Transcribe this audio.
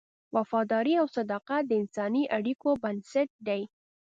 وفاداري او صداقت د انساني اړیکو بنسټ دی.